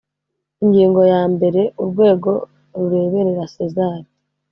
ingingo yambere urwego rureberera sezar